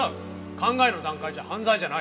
考えの段階じゃ犯罪じゃない。